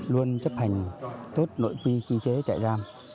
luôn chấp hành tốt nội quy quy chế trại giam